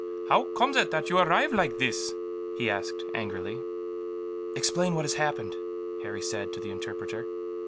"How comes it that you arrive like this?" he asked, angrily. "Explain what has happened," Harry said, to the interpreter.